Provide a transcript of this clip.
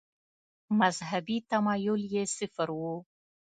مذهبي تمایل یې صفر و.